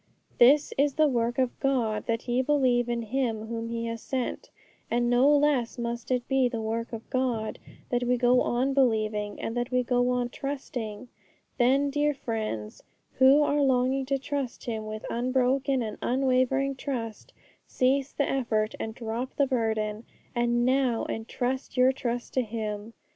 This is the work of God, that ye believe in Him whom He has sent. And no less must it be the work of God that we go on believing, and that we go on trusting. Then, dear friends, who are longing to trust Him with unbroken and unwavering trust, cease the effort and drop the burden, and now entrust your trust to Him!